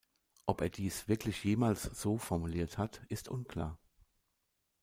Ob er dies wirklich jemals so formuliert hat, ist unklar.